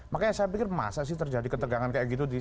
makanya saya pikir masa sih terjadi ketegangan kayak gitu